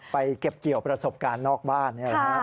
เก็บเกี่ยวประสบการณ์นอกบ้าน